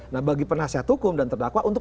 nah bagi penasihat hukum dan terdakwa untuk